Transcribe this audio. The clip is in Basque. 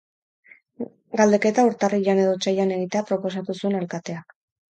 Galdeketa urtarrilean edo otsailean egitea proposatu zuen alkateak.